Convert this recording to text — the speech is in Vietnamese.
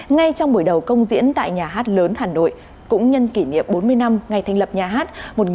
ngay trong buổi đầu công diễn tại nhà hát lớn hà nội cũng nhân kỷ niệm bốn mươi năm ngày thành lập nhà hát